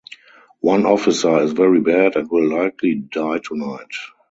One officer is very bad and will likely die tonight.